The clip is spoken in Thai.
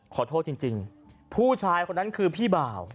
ขอโทษจริงผู้ชายคนนั้นคือพี่บ่าว